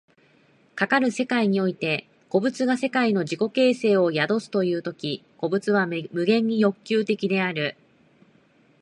かかる世界において個物が世界の自己形成を宿すという時、個物は無限に欲求的である。